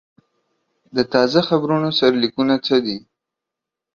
د تازه خبرونو سرلیکونه څه دي؟